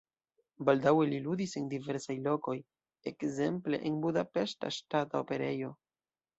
Baldaŭe li ludis en diversaj lokoj, ekzemple en Budapeŝta Ŝtata Operejo.